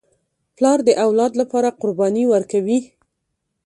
پلار د اولاد لپاره قرباني ورکوي.